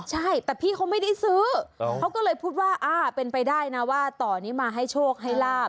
ใช่แต่พี่เขาไม่ได้ซื้อเขาก็เลยพูดว่าเป็นไปได้นะว่าต่อนี้มาให้โชคให้ลาบ